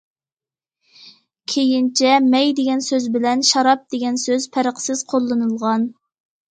كېيىنچە« مەي» دېگەن سۆز بىلەن« شاراب» دېگەن سۆز پەرقسىز قوللىنىلغان.